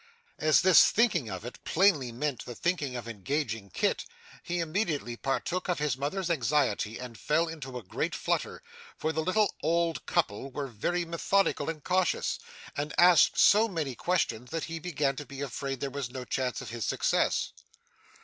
As this thinking of it, plainly meant the thinking of engaging Kit, he immediately partook of his mother's anxiety and fell into a great flutter; for the little old couple were very methodical and cautious, and asked so many questions that he began to be afraid there was no chance of his success.